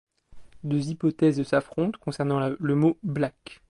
Deux hypothèses s'affrontent concernant le mot Black.